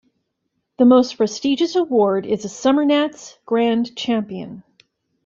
The most prestigious award is the "Summernats Grand Champion".